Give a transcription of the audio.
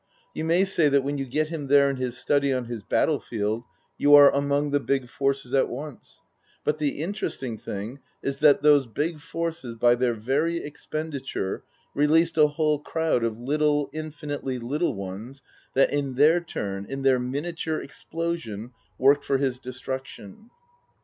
You may say that when you get him there in his study on his battlefield you are among the big forces at once; but the interesting thing is that those big forces by their very expenditure released a whole crowd of little, infinitely little ones that, in their turn, in their miniature explosion, worked for his destruction.